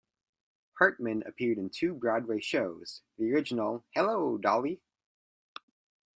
Hartman appeared in two Broadway shows: the original Hello, Dolly!